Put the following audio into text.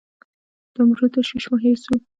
د عمرو تشویش مو هېر سوو